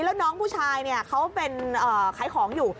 แล้วน้องผู้ชายเขาเป็นขายของอยู่